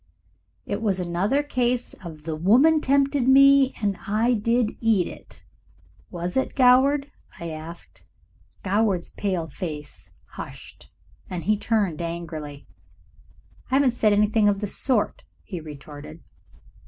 "It was another case of 'the woman tempted me and I did eat,' was it, Goward?" I asked. Goward's pale face Hushed, and he turned angrily. "I haven't said anything of the sort," he retorted.